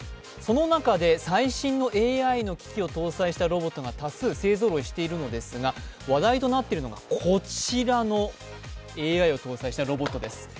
その中で最新のＡＩの機器を搭載したロボットが多数、勢ぞろいしているのですが、話題となっているのがこちらのＡＩを搭載したロボットです。